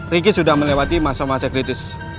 ricky sudah melewati masa masa kritis